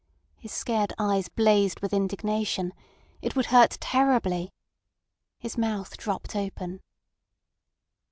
His scared eyes blazed with indignation: it would hurt terribly. His mouth dropped open.